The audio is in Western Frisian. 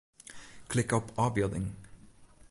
Klik op ôfbylding.